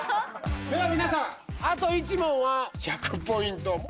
では皆さんあと１問は１００ポイント。